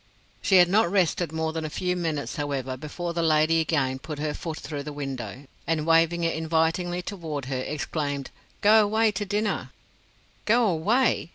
She had not rested more than a few minutes, however, before the lady again put her foot through the window, and waving it invitingly toward her exclaimed: "Go away to dinner." "Go away!"